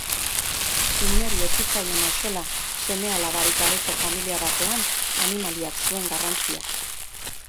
Inori ez zitzaion axola seme-alabarik gabeko familia batean animaliak zuen garrantzia.